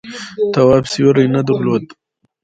تواب سیوری نه درلود.